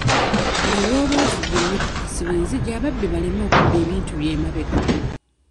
Buli lw'oba ovuga emmotoka siba enzigi ababbi baleme kubba bintu byo emabega.